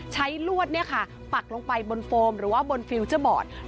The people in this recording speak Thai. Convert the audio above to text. ใช้ลวดเนี่ยค่ะปักลงไปบนโฟมหรือว่าบนฟิลเจ้าบอร์ต